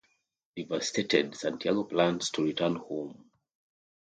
Devastated, Santiago plans to return home.